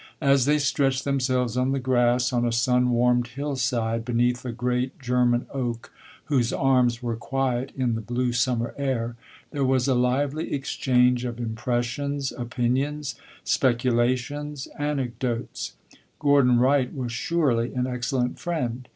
As they stretched themselves on the grass on a sun warmed hill side, beneath a great German oak whose arms were quiet in the blue summer air, there was a lively exchange of impressions, opinions, speculations, anecdotes. Gordon Wright was surely an excellent friend.